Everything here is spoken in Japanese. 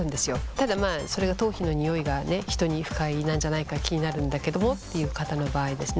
ただそれが頭皮のニオイが人に不快なんじゃないか気になるんだけどもっていう方の場合ですね